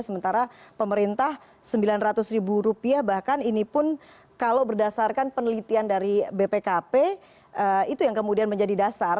sementara pemerintah rp sembilan ratus bahkan ini pun kalau berdasarkan penelitian dari bpkp itu yang kemudian menjadi dasar